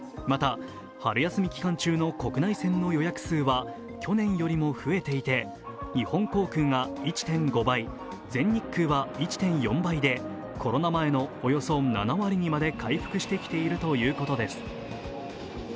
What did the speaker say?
また、春休み期間中の国内線の予約数は去年よりも増えていて、日本航空が１．５倍、全日空は１．４倍で、コロナ前のおよそ７割にまで回復してきているということです。